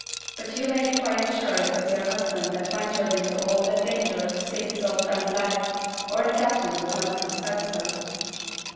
But you may be quite sure it was your husband that ventured into all that danger to save his old friend's life, or the captain would not have said so.'